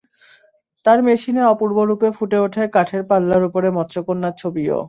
তাঁর মেশিনে অপূর্ব রূপে ফুটে ওঠে কাঠের পাল্লার ওপরে মৎস্যকন্যার ছবিও।